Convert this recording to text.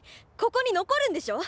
ここに残るんでしょ？